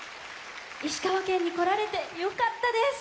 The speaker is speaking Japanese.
石川県にこられてよかったです！